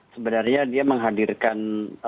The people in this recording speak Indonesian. sebenarnya dia menghadirkan